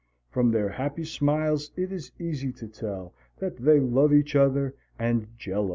From their happy smiles it is easy to tell that they love each other and Jell O.